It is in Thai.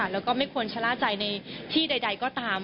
แล้วก็ไม่ควรชะล่าใจในที่ใดก็ตาม